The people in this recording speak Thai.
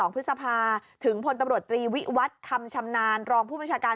พฤษภาถึงพลตำรวจตรีวิวัตรคำชำนาญรองผู้บัญชาการ